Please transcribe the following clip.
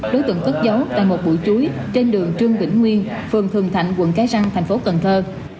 đối tượng cất giấu tại một buổi chuối trên đường trương vĩnh nguyên phường thường thạnh quận cái răng thành phố cần thơ